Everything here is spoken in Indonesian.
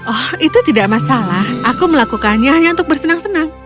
oh itu tidak masalah aku melakukannya hanya untuk bersenang senang